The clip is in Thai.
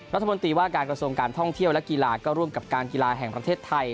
รัฐมนตรีว่าการกระทรวงการท่องเที่ยวและกีฬาก็ร่วมกับการกีฬาแห่งประเทศไทย